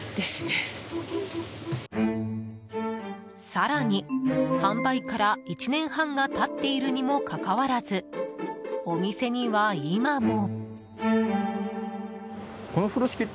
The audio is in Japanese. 更に、販売から１年半が経っているにもかかわらずお店には、今も。